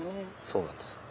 そうなんです。